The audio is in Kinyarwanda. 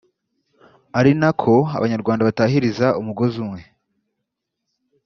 ari na ko abanyarwanda batahiriza umugozi umwe